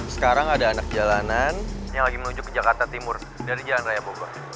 sekarang ada anak jalanan yang lagi menuju ke jakarta timur dari jalan raya bogor